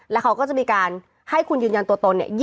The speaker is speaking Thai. แล้วเขาก็จะมีการให้คุณยืนยันตัวตนเนี่ย